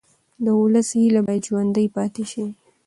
د ولس هیله باید ژوندۍ پاتې شي